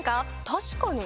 確かに。